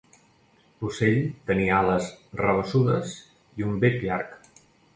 L'ocell tenia ales rabassudes i un bec llarg.